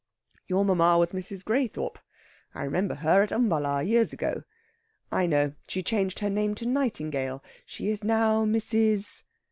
"Your mamma was Mrs. Graythorpe. I remember her at Umballa years ago. I know; she changed her name to Nightingale. She is now Mrs...?"